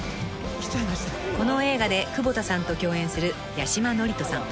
［この映画で窪田さんと共演する八嶋智人さん］